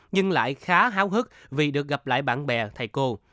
nhưng lại khá háo hức vì được gặp lại bạn bè thầy cô